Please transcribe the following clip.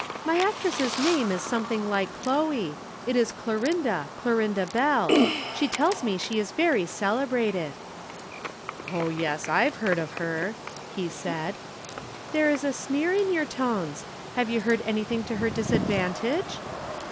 "My actress's name is something like Chloe. It is Clorinda Clorinda Bell. She tells me she is very celebrated." "Oh, yes, I've heard of her," he said. "There is a sneer in your tones. Have you heard anything to her disadvantage?"